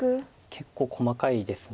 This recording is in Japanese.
結構細かいです。